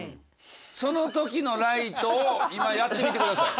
その時のライトを今やってみてください。